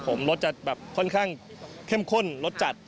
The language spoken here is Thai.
ผมรสจะแบบค่อนข้างเข้มข้นรสจัด